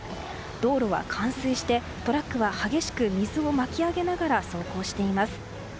道路は冠水して、トラックは激しく水を巻き上げながら走行しています。